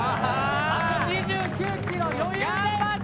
あと２９ｋｍ余裕です！